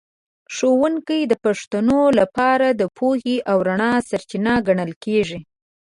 ښوونکی د پښتنو لپاره د پوهې او رڼا سرچینه ګڼل کېږي.